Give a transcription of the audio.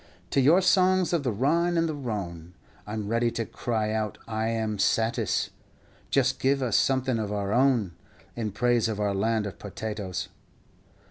To your songs of the Rhine and the Rhone I 'm ready to cry out I am satis; Just give us something of our own In praise of our Land of Potatoes.